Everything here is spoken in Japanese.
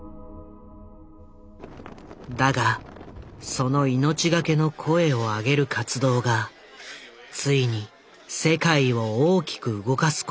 だがその命がけの声を上げる活動がついに世界を大きく動かすことに。